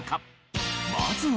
まずは。